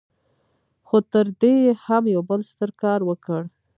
خو تر دې يې هم يو بل ستر کار وکړ.